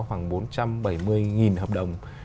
khoảng bốn trăm bảy mươi hợp đồng